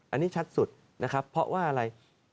อันนี้ชัดสุดนะครับเพราะว่าอะไร